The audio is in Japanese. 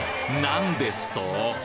何ですと！？